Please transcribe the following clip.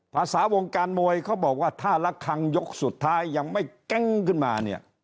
ภาษาวงการมวยเขาบอกว่าถ้าละครั้งยกสุดท้ายยังไม่แก๊งขึ้นมาเนี่ย